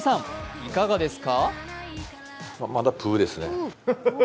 いかがですか？